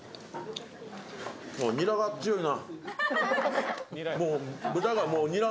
ニラが強いな。